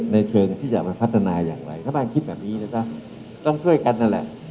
ในเชิงที่จะมาพัฒนาอย่างไรรัฐบาลคิดแบบนี้นะจ๊ะต้องช่วยกันนั่นแหละ